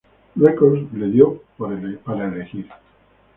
Records le dio para elegir.